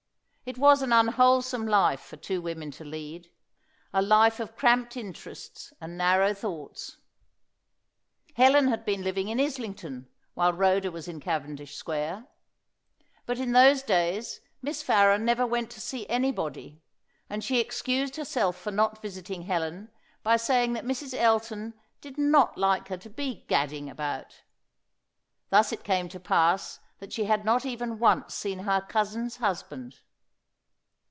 It was an unwholesome life for two women to lead a life of cramped interests and narrow thoughts. Helen had been living in Islington, while Rhoda was in Cavendish Square. But in those days Miss Farren never went to see anybody; and she excused herself for not visiting Helen by saying that Mrs. Elton did not like her to be gadding about. Thus it came to pass that she had not even once seen her cousin's husband.